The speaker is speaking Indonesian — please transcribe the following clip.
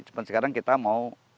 cuman sekarang kita mau